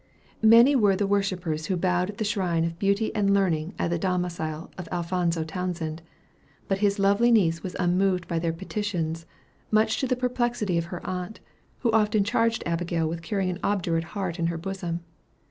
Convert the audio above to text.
Many were the worshippers who bowed at the shrine of beauty and learning at the domicile of Alphonzo Townsend; but his lovely niece was unmoved by their petitions, much to the perplexity of her aunt, who often charged Abigail with carrying an obdurate heart in her bosom.